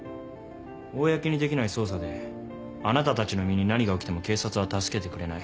公にできない捜査であなたたちの身に何が起きても警察は助けてくれない。